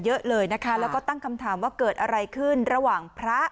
เยอะเลยนะคะแล้วก็ตั้งคำถามว่าเกิดอะไรขึ้นระหว่างพระ